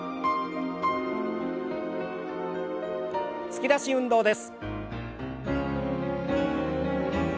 突き出し運動です。